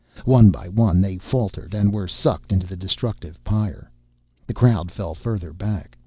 One by one they faltered and were sucked into the destructive pyre. The crowd fell further back.